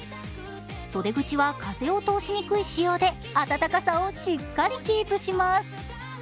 袖口は風を通しにくい仕様で、暖かさをしっかりキープします。